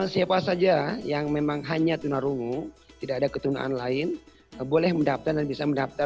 siapa saja yang memang hanya tunarungu tidak ada ketunaan lain boleh mendaftar dan bisa mendaftar